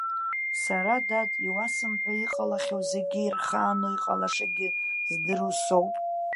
Сара, дад, иуасымҳәеи, иҟалахьоу зегь ирхаану, иҟалашагь здыруа соуп.